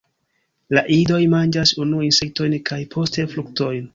La idoj manĝas unue insektojn kaj poste fruktojn.